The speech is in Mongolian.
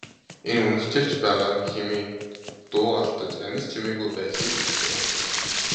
Энэ үнэгчилж байгааг нь хэмээн дуу алдаж анир чимээгүй байдлыг эвдлээ.